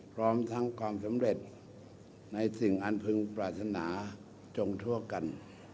พร้อมทั้งความสำเร็จในสิ่งอันพึงปรารถนาจงทั่วกัน